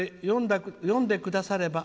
読んでくだされば。